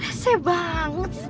lese banget sih tante tante